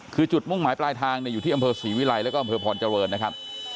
คือจุดมุ่งหมายปลายทางอยู่ที่อำเภอศรีวิลัยแล้วก็อำเภอพรเจริญนะครับ